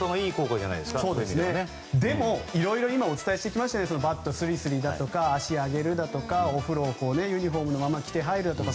でも今いろいろお伝えしてきましたようにバットスリスリだとか足を上げるだとかお風呂をユニホームのまま着て入るとか。